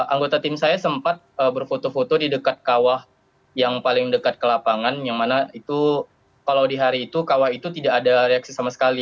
anggota tim saya sempat berfoto foto di dekat kawah yang paling dekat ke lapangan yang mana itu kalau di hari itu kawah itu tidak ada reaksi sama sekali